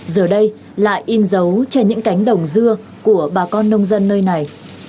giờ đây lại in dấu trên những cánh đồng dưa của bà con nông dân nơi này